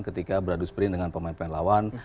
ketika beradu sprint dengan pemain pemain lawan